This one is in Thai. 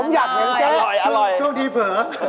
ผมอยากเห็นเจ๊ช่วงที่เผลอ